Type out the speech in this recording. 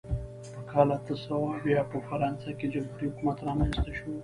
په کال اته سوه اویا په فرانسه کې جمهوري حکومت رامنځته شو.